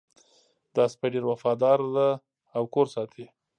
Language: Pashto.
دا سپی ډېر وفادار ده او کور ساتي